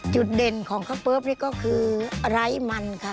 จุดเด่นของข้าวเปิ๊บนี่ก็คือไร้มันค่ะ